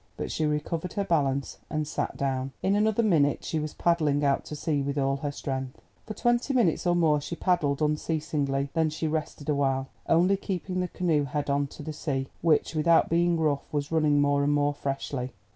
But she recovered her balance, and sat down. In another minute she was paddling out to sea with all her strength. For twenty minutes or more she paddled unceasingly. Then she rested awhile, only keeping the canoe head on to the sea, which, without being rough, was running more and more freshly.